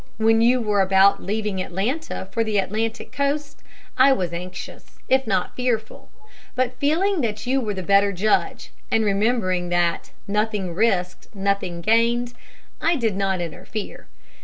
When you were about leaving Atlanta for the Atlantic coast I was anxious, if not fearful; but feeling that you were the better judge, and remembering that 'nothing risked, nothing gained,' I did not interfere.